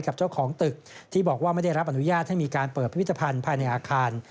กับเจ้าของตึกที่บอกว่าไม่ได้รับอนุญาตให้มีการเปิดพิพิธภัณฑ์ภายในอาคาร